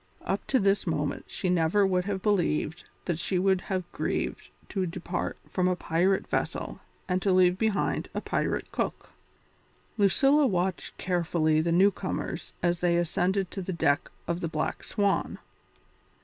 Up to this moment she never would have believed that she would have grieved to depart from a pirate vessel and to leave behind a pirate cook. Lucilla watched carefully the newcomers as they ascended to the deck of the Black Swan.